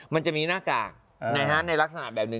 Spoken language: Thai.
มันจะมีหน้ากากในลักษณะแบบหนึ่ง